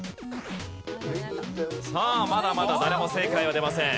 さあまだまだ誰も正解は出ません。